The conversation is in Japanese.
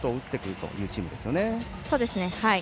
そうですね。